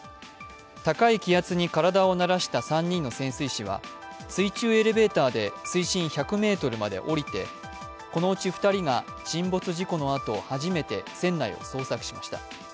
高い気圧に体を慣らした３人の潜水士は水中エレベーターで水深１００ｍまで下りてこのうち２人が沈没事故のあと初めて船内を捜索しました。